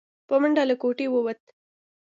په منډه له کوټې ووت.